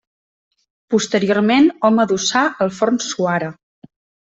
Posteriorment hom adossà el forn suara.